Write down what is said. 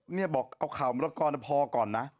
เนี่ยบอกเอาข่าวมรกรพอก่อนนะ